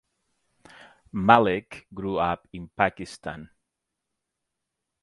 Malik grew up in Pakistan.